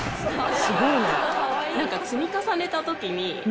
すごいね。